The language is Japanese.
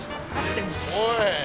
おい。